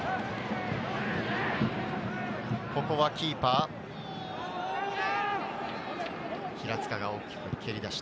ここはキーパー・平塚が大きく蹴りだして。